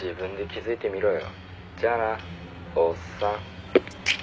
「じゃあなおっさん」